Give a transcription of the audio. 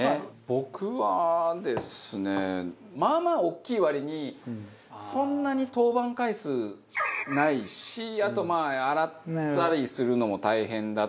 僕はですねまあまあ大きい割にそんなに登板回数ないしあとまあ洗ったりするのも大変だと。